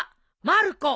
まる子。